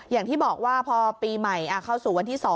อย่างที่บอกว่าพอปีใหม่เข้าสู่วันที่๒